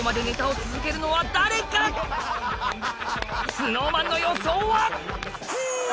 ＳｎｏｗＭａｎ の予想は？